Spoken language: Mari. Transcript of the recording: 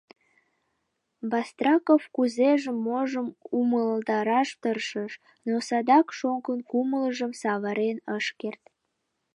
Бастраков кузежым-можым умылтараш тыршыш, но садак шоҥгын кумылжым савырен ыш керт.